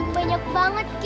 banyak banget ki